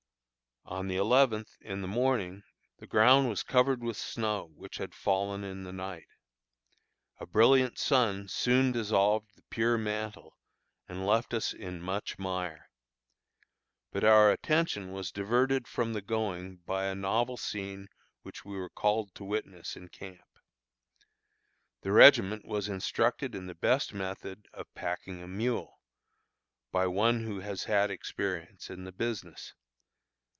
On the eleventh, in the morning, the ground was covered with snow which had fallen in the night. A brilliant sun soon dissolved the pure mantle and left us in much mire. But our attention was diverted from the going by a novel scene which we were called to witness in camp. The regiment was instructed in the best method of packing a mule, by one who has had experience in the business.